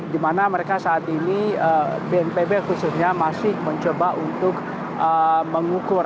di mana mereka saat ini bnpb khususnya masih mencoba untuk mengukur